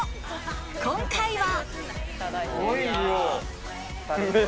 今回は。